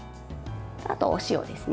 あと、お塩ですね。